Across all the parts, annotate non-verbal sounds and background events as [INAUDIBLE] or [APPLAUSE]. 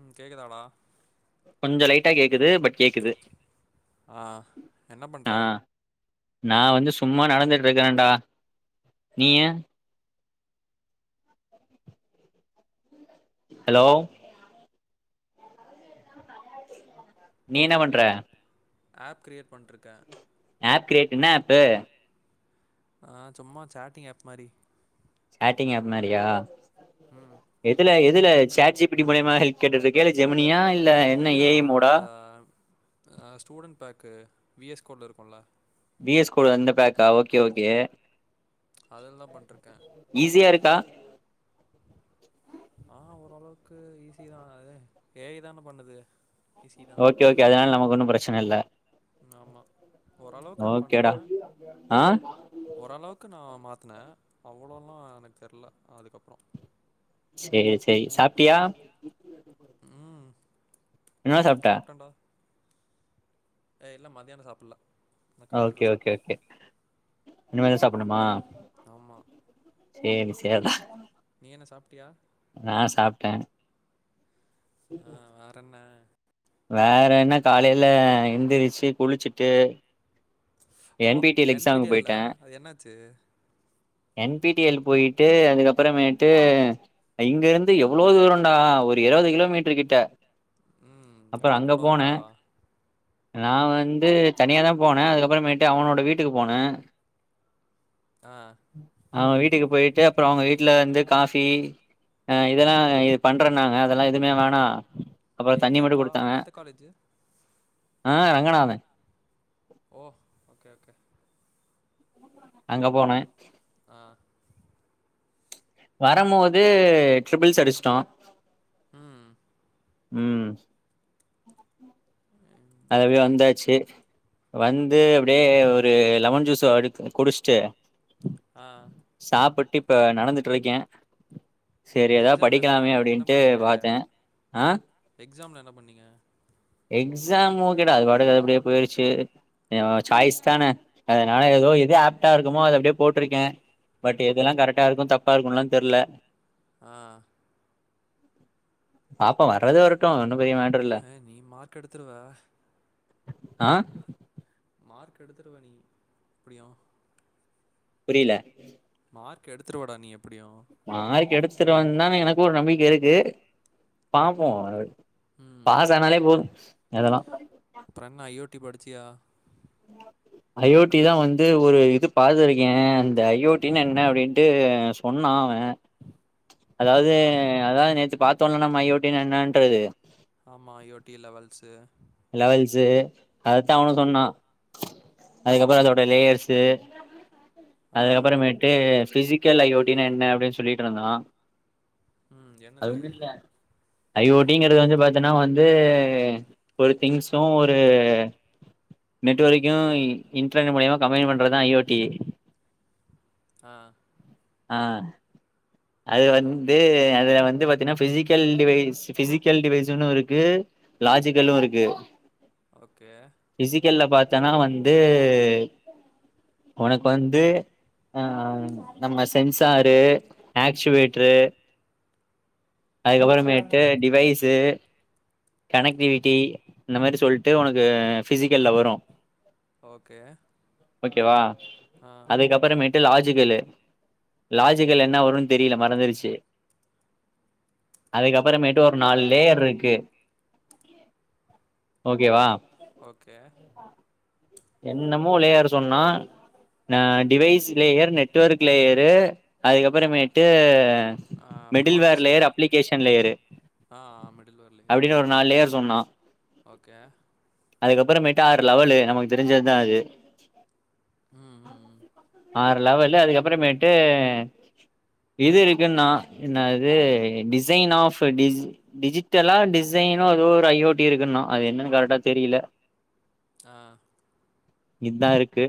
ம் கேக்குதாடா கொஞ்சு லைட்டா கேக்குது பட் கேக்குது ஆ என்ன பண்ற ஆ நா வந்து சும்மா நடந்துட்டு இருக்கறேன்டா நீயு ஹலோ நீ என்ன பண்ற ஆப் கிரியேட் பண்ணிட்ருக்கே ஆப் கிரியேட்டு என்னா ஆப்பு ஆ சும்மா சேட்டிங் ஆப் மாரி சேட்டிங் ஆப் மாரியா ம் எதுல எதுல சாட்ஜி பிடி மூலியமா கேட்டு இருக்கியா இல்ல ஜெமனியா இல்ல என்ன இதுரா ஏ ஐ மோடா அந்த ஆ ஸ்டூடண்டட் பேக்கு விஎஸ் கோடுல இருக்குல வி எஸ் கொடு அந்த பேக்கா ஓக்கே ஓக்கே அதுல தா பண்ணிட்ருக்கே ட ஆ ஓரளவுக்கு ஈஸிதா அது ஏயிதான பண்ணுது ஈஸிதா ஓகே அது ஓகே ஓக்கே ஓக்கே அதனால ஒன்னும் நமக்கு பிரச்சன இல்ல ஓண்ணும் பிரச்சனையில்ல ஆமா ஓரளவுக்கு நா பண்ணே ஓகேடா ஆ ஓரளவுக்கு நா மாத்துனே மாத்துன அவ்வளோலா எனக்கு தெரில அதுக்கப்புறோ சேரி சேரி சாப்பிட்டியா ம் என்ன சாப்ட ஏ இல்ல மத்தியானோ சாப்பிடல நான் காலையில் ஓகே தான் ஓகே சாப்பிட்டேன் ஓகே இனிமேல்தா சாப்புட்ணுமா ஆமா சேரி சேரி அதா நீ என்ன சாப்டியா நா சாப்டே ஆ வேற என்ன வேற என்ன காலைல எந்திரிச்சு குளிச்சுட் டே ஓ என் பி டி எல் ல அது என்னாச்சு என் பி டி எல் போயிட்டு அதுக்கப்புறமேட்டு இங்க இருந்து எவ்வளவு தூரண்டா ஒரு இருபது கிலோமீட்டரு கிட்ட ம் அப்பற யார் அங்க கூட வந்தா போனே நா வந்து தனியா தா போனே அதுக்கப்பறமே ட்டு அவனோட வீட்டுக்கு போனே ஆஹ் அவங்க வீட்டுக்கு போயிட்டு அப்பற அவங்க வீட்டில வந்து காஃபி அ இதெல்லா இது பண்றனாங்க அதெல்லா எதுமே வேணா எங்க கா எந்த காலேஜு ஆஹ் ரங்கனாதன் ஓ ஓகே ஓகே அங்க போனே ஆஹ் வரும் போது ட்ரிபிள்ஸ் அடிச்சிட்டோ ம் உம் அது அப்டியே வந்தாச்சு வந்து அப்டியே ஒரு லெமன் ஜூஸ் அடு குடிச்சிட்டு ஆ சாப்பட் இப்ப நடந்துட்டு இருக்கே எக்ஸாம்ல என்ன என்ன பண்ணீங்க பாத்தே ஆ எக்ஸாம்ல என்ன பண்ணீங்க எக்ஸ் எக்ஸாமும் ஒகேடா அது பாடு அப்படியே போயிருச்சு சாய்ஸ் தானே அதனால ஏதோ எது ஆப்ட்டா இருக்குமோ அது அப்படியே போட்டிருக்கே பட் எதெல்லாம் கரெக்டா இருக்கும் தப்பா இருக்கும்லாம்னு தெரியல ஆஹ் பாப்போம் வரது வரட்டும் ஹ நீ மார்க் எடுத்துருவ ஆ மார்க் எடுத்துருவ நீ எப்டியு புரியில மார்க் எடுத்துருவடா நீ எப் மார்க் எடுத் சிருவா தான எனக்கு ஒரு நம்பிக்க இருக்கு பாப்போ அத் ம் பாஸ் ஆனாலே போது அதெல்லா ட்டி படிச்சியா அயோட்டிதா வந்து ஒரு இது பாத்துருக்கே அந்த அயோட்டின் என்ன அப்டின்ட்டு சொன்னா அவ அதாவது ஆ அதா நேத்து பாத் தொல்லன மையோட்டின் என்னன்றது ஆமா I O T levels levels அதத்தா அவனு சொன்னா அதுக்கப்பறோ அதோட லேயர்சு ஆ அதுக்கப்பறமேட்டு ஃபிசிக்கல் ஐ ஓ டி னா என்ன அப்டின் சொல்லிட்ருந்தனா ம் அது என்னது ஒன்னுல்ல ஐ ஓ டி ங்கறது வந்து பாத்தனா வந்து ஒரு திங்ஸு ஒரு நெட்வர்க்யு இ இன்டர்நெ மூலியமா கம்பைன் பண்றதா ஐ ஓ டி ஆ ஆ அது வந்து அதுல வந் வந்து பாத்தீனா ஃபிசிக்கல் டிவைஸ் ஃபிசிக்கல் டிவைஸுன்னு இருக்கு லாஜிக்கலு இருக்கு ஓகே ஃபிசிக்கல்ல பாத்தனா வந்து உனக்கு வந்து அ நம்ம சென்சாரு அக்ஷுவேட்ரு ஆ அதுக்கப்பறமேட்டு டிவைஸு கனெக்டிவிட்டி இந்த மாரி சொல்ட்டு ஒனக்கு ஃபிசிக்கல்ல வரு ஓகே ஓகேவா ஆ, அதுக்கப்பறமேட் ட்டு லாஜிக்கல்லு லாஜிக்கல் என்ன வருன் தெரியல மறந்துருச்சு அதுக்கப்புறமே ட்டு ஒரு ஆ. நாலு லேயர்ருக்கு ஓகேவா ஓகே. என்னமோ லேயர் சொன்னா அ டிவைஸ் லேயர் நெட்வொர்க் கு லேயரு அதுக்கப்பறமேட்டு ஆ middleware process layer application layer ஆ மிடில்வேர் லேயர் அப்படின்னு ஆமா. ஒரு நாலு லேயர் சொன்னா ஓகே. அதுக்கப்பறமேட்டு ஆறு லெவலு நமக்கு தெரிஞ்சத்தா அது உம் உம் ஆறு லெவலு அதுக்கப் பறமேட்டு இது இருக்குன்னா என்னது டிசைன் ஆஃப் டி டிஜிட்டலா டிசைனோ எதோ ஒரு ஐ ஓ டி இருக்குன்னா அது என்னன்னு கரட்டா தெரியில ஆஹ் இதா இருக்கு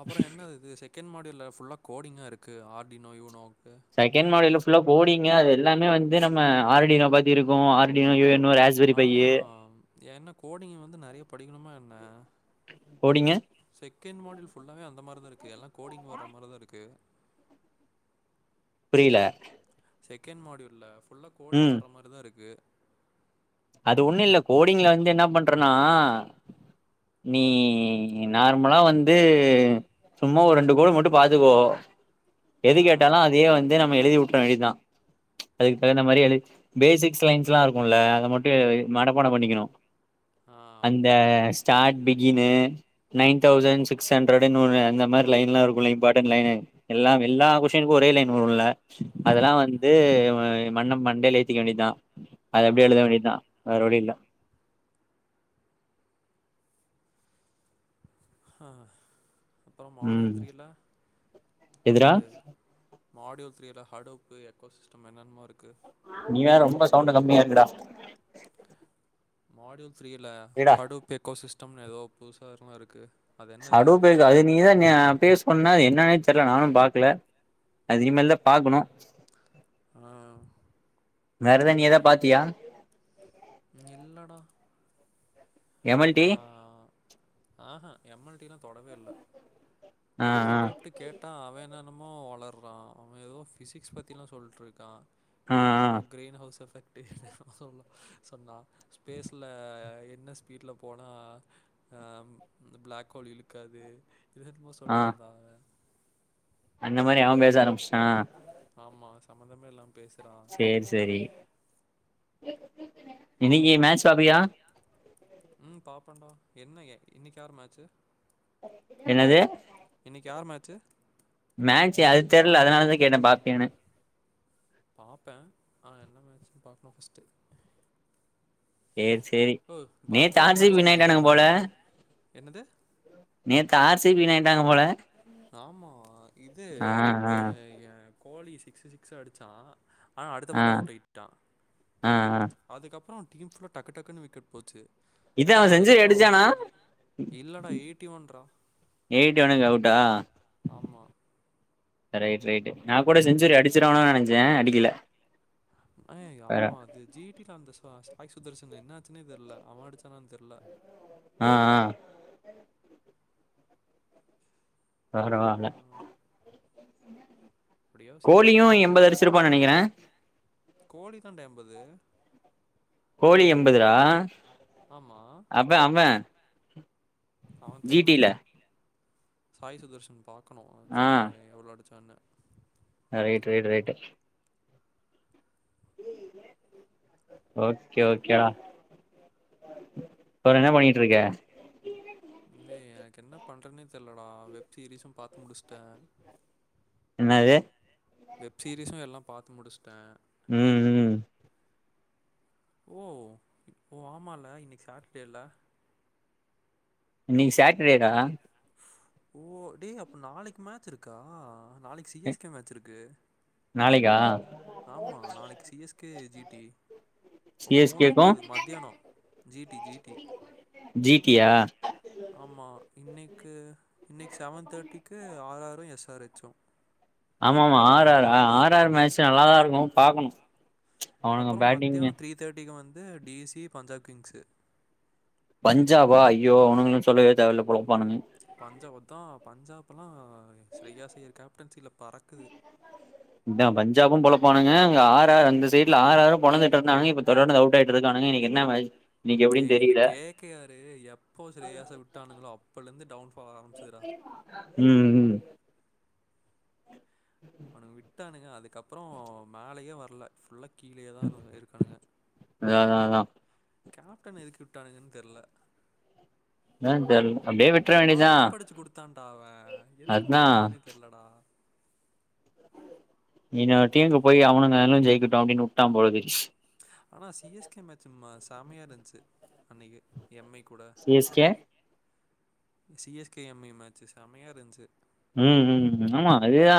அப்புற என்ன இது செ கண்ட் மாடில ஃபுல்லாக கோடிங்கா இருக்கு ஆர்டினோ யூனோ செகண்ட் மாடில ஃபுல்லா கோடிங்கா இதெல்லாமே வந்து நம்ம ஆர்டினோ பத்தி இருக்கு Arduino U N O Raspberry Pi அதா என்ன கோடிங் வந்து நெறைய படிக்கணுமா என்ன கோடிங்கு செகண்ட் மாடல் ஃபுல்லாவே அந்த மாரி தா இருக்கு எல்லா கோடிங் வர்ற மாதிரிதா இருக்கு புரியல செகண்ட் மாடியூல்ல ஃபுல்லாக கோடிங் ம் வர மாரி தா இருக்கு அது ஒண்ணு இல்ல கோடிங்ல வந்து என்ன பண்றனா நீ நார்மலா வந்து சும்மா ஒரு ரெண்டு கோடு மட்டு பாத்துக்கோ எது ஆ, கேட்டாலு அதையே வந்து நம்ம எழுதி வுட்டுற வேண்டியதுதா அதுக்கு தகுந்த மாரி எ பேசிக்ஸ் லைன்ஸ் எல்லா இருக்கும்ல்ல அதது மட்டு க்கு மனப்பாட பண்ணிக்கணு ஆ அந்த ஓகே. ஸ்டார்ட் ப இனு நைன் தௌசண்ட் சிக்ஸ் ஹண்ட்ரட ஒ அந்த மாரி லைன் எலாம் இருக்குல்ல இம்பார்ட்டன்ட் லைனு எல்லாம் எல்லா கொஷினுக்கு ஆமாமா. ஒரே லைன் வருல ஆ, அதெல்லா வந்து மண்ணம் மண்டையல ஏத்துக்க வேண்டியதா அது ஆ. அப்டியே எழுத வேண்டியதுதா வேற வழி இல்ல ஆ அப்புறோ மாடல் ம் த்ரீல எதுடா அது மாடியூல் த்ரீயில் ஹடுப்பு எக்கோசிஸ்டம் என்னென்னமோ இருக்கு நீ வேற ரொம்ப சவுண்ட கம்மியா இருக்கடா மாடியூல்ஸ் ஃத்ரீயில் ஹடுப் எக்கோசிஸ்டம்னு ஏதோ புதுசா என்னமோ இருக்கு த சடுவு பேக்கா அது நீ தா பேஸ் பொன்னா அது என்னானே தெரில நானு பாக்கல அது இனிமேல் தா பாக்கணு ஆஹ் வேற எதா நீ ஏதா பாத்தியா இல்லடா [INAUDIBLE] ஏமல்டி எம் எல் டி லா தொடவே இல்ல நா ஆ அவன ஆ கூப்பிட்டு கேட்டா அவனா என்னமோ ஒளர்றான் அவ ஏதோ பிசிக்ஸ் பத்திலா சொல்ட்டு இருக்கா ஆ ஆ ஏதோ கிரீன் ஹவுஸ் எஃபெக் [UNINTELLIGIBLE] சொன்னா ஸ்பேஸ்ல என்ன ஸ்பீடல போனா அஹ அந்த பிளாக் ஹோல் இழுக்காது இது என்னமோ ஆ சொல்லிட்டுருந்தா அவ அந்த மாரி அவன் பேச ஆரம்பிச்சான் ஆமா சம்பந்தமே இல்லாமே சேரி சேரி [UNINTELLIGIBLE] இன்னைக்கி மேச் பாப்பியா ம் பாப்பண்டா என்ன இன்னைக்கு யாரு மேச்சு [UNINTELLIGIBLE] என்னது இன்னைக்கு யாரு மேட்ச்சு மேட்ச் அது தெர்ல அதனாலதா கேட்டே பாப்பியானு பாப்பே ஆனா என்ன மேச்சுன்னு பாக்ணு ஃபஸ்ட்டு சேரி சேரி நேத்து பஞ்சாப் ஆர் சி பீ மேட்ச்சுன்னு நெனைக்கிறேன் வின்னாயிடானுங்க போல இன்னைக்கு. என்னது? நேத் ஆர் சி பீ வின்னாயிட்டாங்க போல ஆமா இது ஆ ஆ [UNINTELLIGIBLE] ஏன் கோலி சிக்ஸ்ஸு சிக்ஸ்ஸ அடிச்சா ஆனா அடுத்த ஆ பாலே அவுட் ஆயிட்டான் ஆ ஆ அதுக்கப்றோ டீம் ஃபுல்லா டக்கு க்குன்னு விக்கட் போச்சு இதல ஆனா அவன் செஞ்சுரி அதுக்கப்புறம் அடுச்சானா இல்லடா ரா. எய்ட்டி ஒன்னுக்கு அவுட்டா ஆமா ரைட் ரைட்டு நா கூட செஞ்சுரி அடிச்சுருவானோ நெனைச்சே அடிக்கல அஹ் வேற ஆமா அது ஜி டி ல அந்த [UNINTELLIGIBLE] சுதர்சன் என்னாச்சனே தெர்ல அவன் அடிச்சான தெர்ல ஆஹ் ஆஹ் பரவால்ல ஆ. எப்டியோ சி எஸ் கோலியு கே அஞ்சாவது எம்பது அடிச்சிருப்பான்னு வந்துருச்சு நெனைக்கிறே [UNINTELLIGIBLE] கோழி தாண்டா எம்பது கோலி எண்பது ரா ஆமாம் அப்ப அவ்வன் அவன் ஜி தெரில டி ல சாய் சுதர்ஷன் [INAUDIBLE] பாக்கனு தெர்ல எவ்ளோ எடுத் சொன்ன ஆஹ் right right right okay okay டா அப்ரோ என்ன பண்ணிட்டு இருக்க எ எனக்கு என்ன பண்றதுனே தெர்லடா வெப் சீரிஸும்பாத்து முடிச்சுடே என்னாது வெப சீரிஸும் எல்லா பாத்து முடிஸ்டே உம் உம் ஓ இப்போ ஆமால இன்னைக்கி சாட்டர்டேல்ல இன்னைக் சாட்டர்டே டா ஓ டே அப்ப நாளைக்கு மேட்ச் இருக்கா நாளைக்கு சி எஸ் கே மேட்ச் இருக்கு நாளைக்கா ஆமா நாளைக்கு C S okay G T C S மூணு கேக்கு முப்பது மத்யானம் G T G T G T yeah ஆமா இன்னைக்கு இன்னைக்கு செவன் தேர்ட்டிக்கு ஆர் ஆர்ரு எஸ் ஆர் எச்சு ஆமா ஆமா ஆர் ஆர் அ ஆர் ஆர் மேட்ச் நல்லாதா இருக்கு பாக்குணு அப்புற மத்தியானோ த்ரீ தேர்ட்டிக்கு வந்து இது டி சி பஞ்சாப் கிங்ஸு பஞ்ஜாபா ஐயோ அவனுங்ளு சொல்லவே தேவல பொலப்பானுங்க பஞ்சாப்தா பஞ்சாப் லா ஓக்கே ஷ்ரேயாஸ் இருக்கா கேப்டன்சில பறக்குது த்தா பஞ்ஜாபு பொலப்பானுங்க ஆர் ஆர்ரு அந்த சைடல ஆர் ஆர்மு பொழந்து கட்டுநாங்க இப்ப தொடர்ந்து அவுட் ஆயிட்டு இருக்கானுங்க இன்னிக்கு என்ன [UNINTELLIGIBLE] டே இந்த தெரியல கே கே ஆர்ரு எப்போ ஷ்ரேயாஸ் விட்டானுங்ளோ அப்புல இருந்து டவுன் ஃபால் ஆரம்பிச்சுதுடா உம் உம் அவனுங்க விட்டானுங்க அதுகப்ரோ மேலயே வரல ஃபுல்ல கீழேயாதா இருக்காணுங்க அதா அதா அதா கேப்டன எதுக்கு விட்டானுங்கன்னு தெரியல ஏன் தெரில அவ கப்படிச்சு குடுத்தான்டா அவ எதுக்கு அதா விட்டானுங்கன்னே தெரிலடா நீனு அவ டீம்க்கு போய் அவனு நானு ஜெயிக்கிட்டு அப்டின்னு உட்டா போலருக்கு ஆனா சி எஸ் கே மேட்ச்சு ம செம்மைய இருந்துச்சு து அன்னைக்கு எம் ஐ கூட C S K C S K M I match செமையா இருன்ச்சு ம் ம் ஆமா அதுதா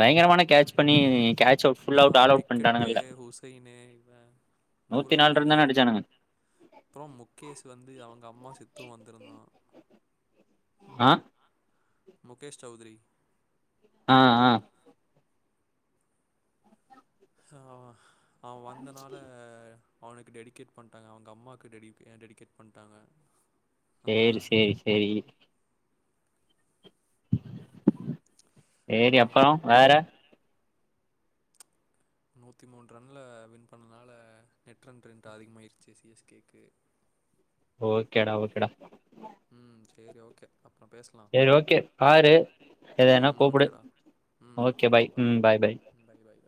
பயங்கரமான கேட்ச் பண்ணி கேட்ச் அவுட் ஃபுல் இதா அவுட் ஆல் அவுட் விக்கட்டு பண்ட்டானுங்கல்ல ஹுசைனு இவ மூ நூத்தி நாலு ரன் ரகமது தான அடிச்சானுங்க அப்ரோ முகேஷ் வந்து அவங்க அம்மா செத்து வந்திருந்தா ஆ முகேஷ் சௌத்ரி ஆ ஆ ஆ அவ வந்தனால அவனுக்கு டெடிகேட் பண்ணிட்டாங்க அவங்க அம்மாக்கு டெடி டெடிகேட் பண்ட்டாங்க சேரி சேரி சேரி சேரி அப்புறம் அப்பரோ வேற நூத்தி மூணு ரன்ல வின் பண்ணனால நெட் ரன் ரென்ட் அதிகமாயிருச்சு சி எஸ் கேக்கு ஓக்கேடா ஓக்கேடா ம் சேரி ஓக்கே சேரரி ஓக்கே பாரு எதனா ம் கூப்பிடு ஓகேடா ம் ஓக்கே ஓகே பாய் ம் பாய் பாய் ம் பை பை பை